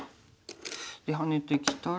でハネてきたら？